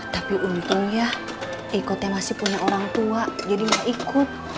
tapi untung ya ikutnya masih punya orang tua jadi nggak ikut